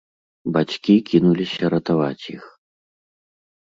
Бацькі кінуліся ратаваць іх.